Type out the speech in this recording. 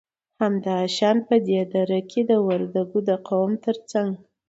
همدا شان په دې دره کې د وردگو د قوم تر څنگ